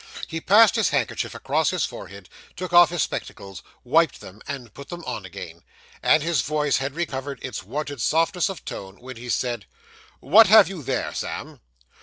He passed his handkerchief across his forehead, took off his spectacles, wiped them, and put them on again; and his voice had recovered its wonted softness of tone when he said 'What have you there, Sam?